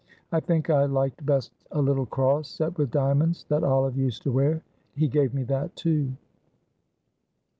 I think I liked best a little cross set with diamonds, that Olive used to wear; he gave me that, too."